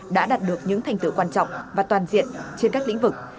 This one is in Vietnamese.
đã đạt được những thành tựu quan trọng và toàn diện trên các lĩnh vực